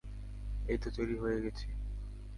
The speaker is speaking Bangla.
এইতো তৈরি হয়ে গেছি।